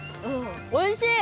おいしい！